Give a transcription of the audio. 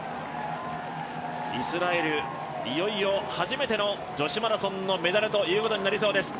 イスラエル、いよいよ初めての女子マラソンのメダルということになりそうです。